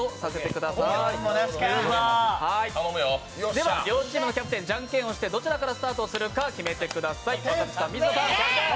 では両チームのキャプテン、じゃんけんをしてどちらからスタートするか決めてください、若槻さん水田さん。